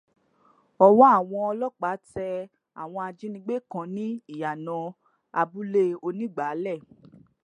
Ọwọ́ àwọn ọlọ́pàá tẹ àwọn ajínigbé kan ní ìyànà abúlé Onígbàálẹ̀.